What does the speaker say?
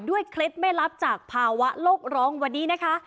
เคล็ดไม่ลับจากภาวะโลกร้องวันนี้นะคะ